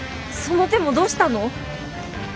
その手もどうしたの？